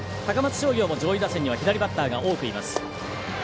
商業も上位打線には左バッターが多くいます。